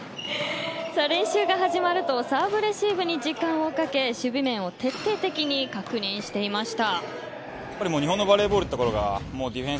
練習が始まるとサーブレシーブに時間をかけ守備面を徹底的に確認していました。